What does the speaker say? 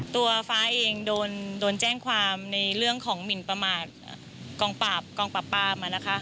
ตัวฟ้าเองโดนแจ้งความในเรื่องของหมินประมาทกองปราบกองปราบปราม